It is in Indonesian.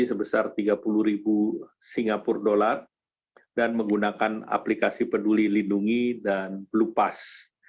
sebesar tiga puluh sgd dan menggunakan aplikasi peduli lindungi dan blue pass